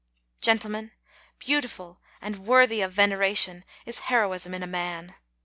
"Gentlemen, beautiful, and worthy of veneration is heroism in a man !